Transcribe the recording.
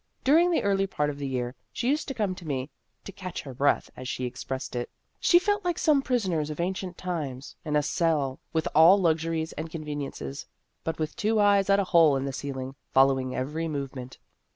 During the early part of the year, she used to come to me to 'catch her breath,' as she ex pressed it. She felt like some prisoners of ancient times in a cell with all lux uries and conveniences, but with two eyes at a hole in the ceiling, following every movement."